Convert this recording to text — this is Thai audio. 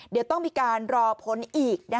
เดี๋ยวต้องมีการรอผลอีก